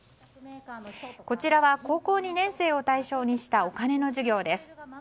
こちらは高校２年生を対象にしたお金の授業です。